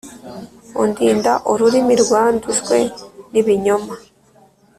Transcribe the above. undinda ururimi rwandujwe n’ibinyoma,